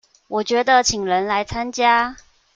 我覺得請人來參加